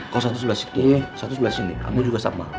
kalau satu sebelah sini satu sebelah sini kamu juga sama